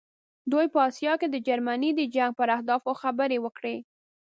دوی په آسیا کې د جرمني د جنګ پر اهدافو خبرې وکړې.